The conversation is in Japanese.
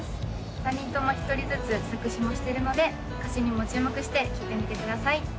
３人とも１人ずつ作詞もしてるので歌詞にも注目して聴いてみてください